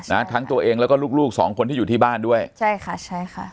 นะทั้งตัวเองแล้วก็ลูกลูกสองคนที่อยู่ที่บ้านด้วยใช่ค่ะใช่ค่ะ